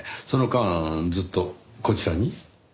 その間ずっとこちらに？